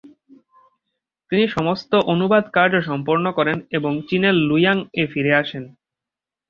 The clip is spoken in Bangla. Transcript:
তিনি সমস্ত অনুবাদকার্য সম্পন্ন করেন এবং চীনের লুইয়াং-এ ফিরে আসেন।